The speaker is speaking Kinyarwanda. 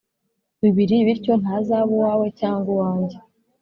bibiri bityo ntazaba uwawe cyangwa uwange